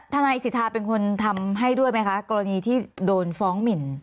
นายสิทธาเป็นคนทำให้ด้วยไหมคะกรณีที่โดนฟ้องหมิน